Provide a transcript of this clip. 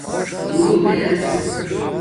زݸرُوپ اِر